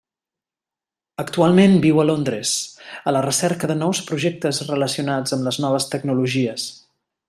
Actualment viu a Londres, a la recerca de nous projectes relacionats amb les noves tecnologies.